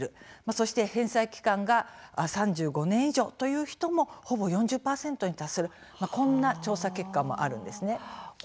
そして、返済期間が３５年以上という人もほぼ４０％に達するこんな調査結果もあるんです。